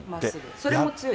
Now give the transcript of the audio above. それも強い。